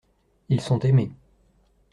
Ils sont aimés.